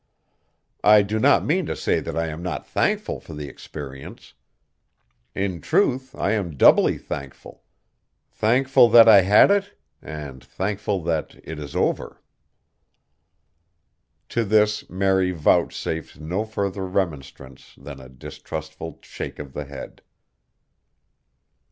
I do not mean to say that I am not thankful for the experience. In truth I am doubly thankful thankful that I had it, and thankful that it is over." To this Mary vouchsafed no further remonstrance than a distrustful shake of the head.